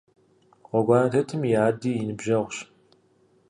Гъуэгуанэ тетым и ади и ныбжьэгъущ.